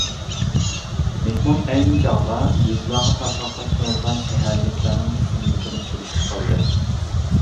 مېھمان ئەينى چاغدا يېزىلارغا تارقاقلاشتۇرۇلغان شەھەرلىكلەرنىڭ تىزىملىكىنى سۈرۈشتە قىلدى.